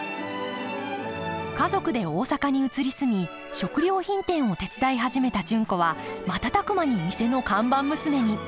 家族で大阪に移り住み食料品店を手伝い始めた純子は瞬く間に店の看板娘に。